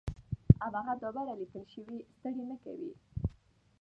او هغه دا بره ليکلے شوي ستړې نۀ کوي